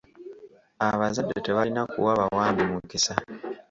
Abazadde tebalina kuwa bawambi mukisa.